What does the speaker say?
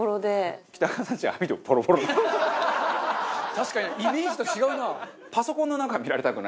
確かにイメージと違うな。